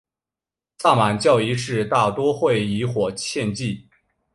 萨满教仪式大多会以火献祭。